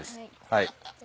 はい。